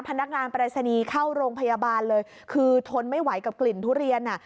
พนักงานปรายศนีย์เข้าโรงพยาบาลเลยคือทนไม่ไหวกับกลิ่นทุเรียนอ่ะ